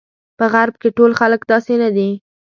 په غرب کې ټول خلک داسې نه دي.